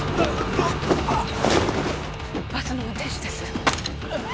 バスの運転手です